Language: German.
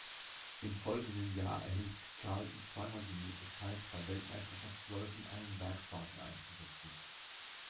Im folgenden Jahr erhielt Charlton zweimal die Möglichkeit, bei Weltmeisterschaftsläufen einen Werkswagen einzusetzen.